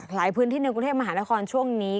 ในพื้นที่ในกรุงเทพมหานครช่วงนี้